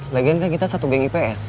lagian kan kita satu geng ips